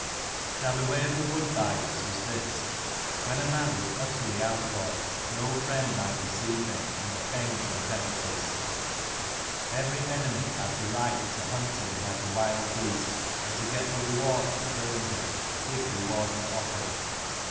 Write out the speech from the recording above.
Now the way of the wood biders was this. When a man was utterly outlawed no friend might receive him, under pains and penalties; 255 every enemy had the right to hunt him like a wild beast, and to get the reward for killing him, if reward were offered.